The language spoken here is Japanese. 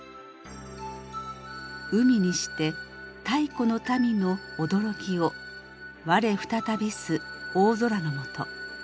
「海にして太古の民のおどろきをわれふたたびす大空のもと」。